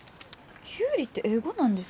きゅうりって英語なんですか？